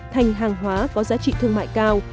thành hàng hóa có giá trị thương mại cao